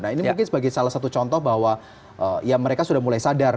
nah ini mungkin sebagai salah satu contoh bahwa ya mereka sudah mulai sadar